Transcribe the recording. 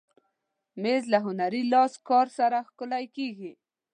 مېز له هنري لاسکار سره ښکلی کېږي.